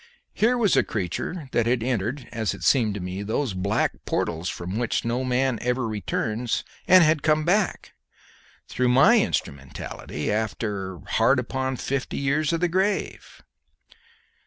Here was a creature that had entered, as it seemed to me, those black portals from which no man ever returns, and had come back, through my instrumentality, after hard upon fifty years of the grave.